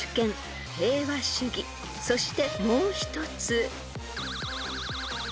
［そしてもう一つ］